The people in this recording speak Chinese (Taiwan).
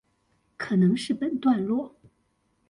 可能是本段落